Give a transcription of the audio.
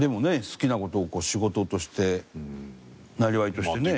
好きな事を仕事としてなりわいとしてね。